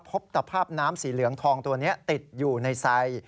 ตภาพน้ำสีเหลืองทองตัวนี้ติดอยู่ในไซ